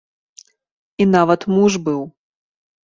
І нават муж быў.